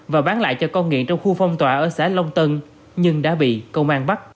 và bán lại cho con nghiện trong khu phong tỏa ở xã long tân nhưng đã bị công an bắt